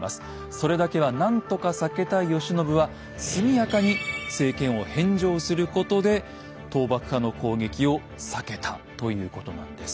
それだけは何とか避けたい慶喜は速やかに政権を返上することで倒幕派の攻撃を避けたということなんです。